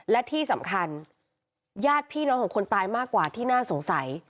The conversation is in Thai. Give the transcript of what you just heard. และที่สำคัญญาติพี่น้องของคนตายมากกว่าที่น่าสงสัย